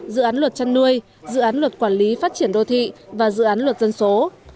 dự án luật chăn nuôi dự án luật quản lý phát triển đô thị và dự án luật dân số